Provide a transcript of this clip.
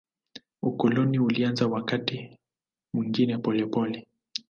Ukoloni ulianza wakati mwingine polepole.